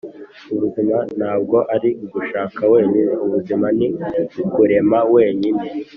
“ubuzima ntabwo ari ugushaka wenyine. ubuzima ni ukurema wenyine.